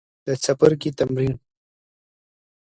د څپرکي تمرین